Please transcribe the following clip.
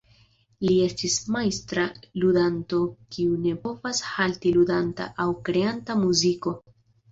Li estis majstra ludanto kiu ne povas halti ludanta aŭ kreanta muziko.